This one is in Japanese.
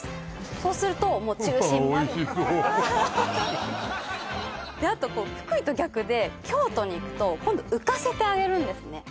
そうするともう中心まであああと福井と逆で京都に行くと今度浮かせて揚げるんですね